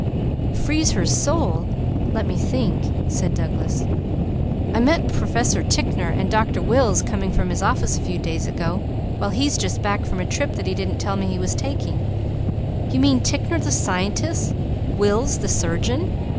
"'Freeze her soul!' Let me think!" said Douglas. "I met Professor Tickner and Dr. Wills coming from his offices a few days ago, while he's just back from a trip that he didn't tell me he was taking "You mean Tickner, the scientist; Wills, the surgeon?"